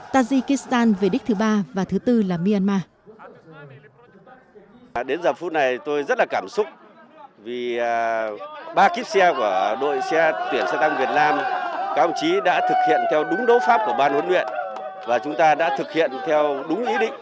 tajikistan về đích thứ ba